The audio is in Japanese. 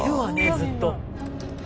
ずっと。